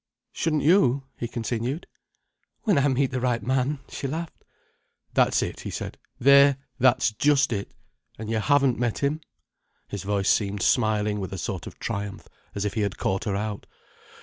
"Shouldn't you?" he continued. "When I meet the right man," she laughed. "That's it," he said. "There, that's just it! And you haven't met him?" His voice seemed smiling with a sort of triumph, as if he had caught her out.